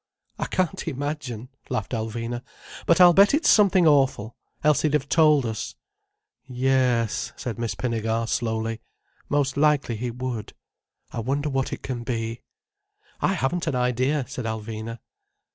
"I can't imagine," laughed Alvina. "But I'll bet it's something awful—else he'd have told us." "Yes," said Miss Pinnegar slowly. "Most likely he would. I wonder what it can be." "I haven't an idea," said Alvina.